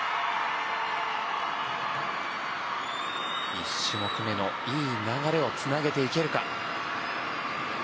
１種目めのいい流れをつなげていけるか。